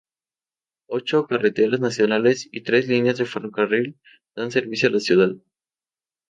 Ocho carreteras nacionales y tres líneas de ferrocarril dan servicio a la ciudad.